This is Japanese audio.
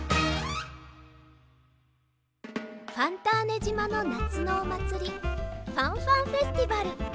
ファンターネじまのなつのおまつりファンファンフェスティバル。